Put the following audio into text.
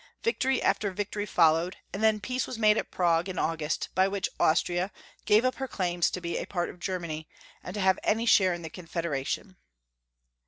Victory after victoiy followed, and then peace was made at Prague, in August, by which Austria gave up her claims to be a part of Germany, and to have any share in the Confederation.